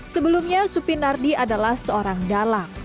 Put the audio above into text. sebelumnya supi nardi adalah seorang dalang